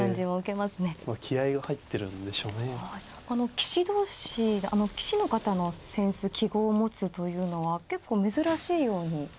棋士同士棋士の方の扇子揮毫を持つというのは結構珍しいように。